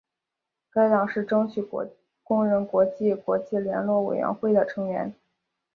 该党是争取工人国际国际联络委员会的成员。